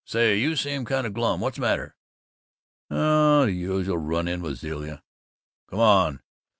Say, you seem kind of glum. What's matter?" "Oh, the usual. Run in with Zilla." "Come on!